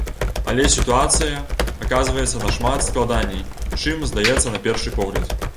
Але сітуацыя аказваецца нашмат складаней, чым здаецца на першы погляд.